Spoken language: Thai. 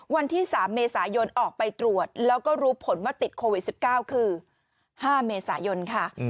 วันที่๓เมษายนออกไปตรวจแล้วก็รู้ผลว่าติดโควิด๑๙คือ๕เมษายนค่ะ